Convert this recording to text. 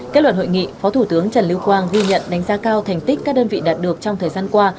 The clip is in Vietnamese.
kết luận hội nghị phó thủ tướng trần lưu quang ghi nhận đánh giá cao thành tích các đơn vị đạt được trong thời gian qua